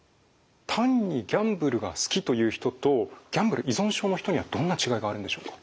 単にギャンブルが好きという人とギャンブル依存症の人にはどんな違いがあるんでしょうか？